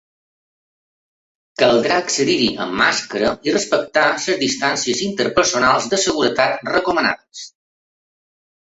Caldrà accedir-hi amb màscara i respectar les distàncies interpersonals de seguretat recomanades.